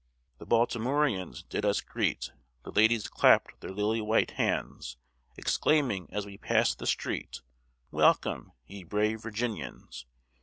The Baltimoreans did us greet, The ladies clapt their lily white hands, Exclaiming as we passed the street, "Welcome, ye brave Virginians.